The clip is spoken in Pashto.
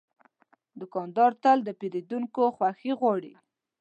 دوکاندار تل د پیرودونکو خوښي غواړي.